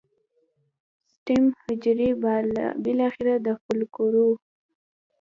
سټیم حجرې بالاخره د فولیکونو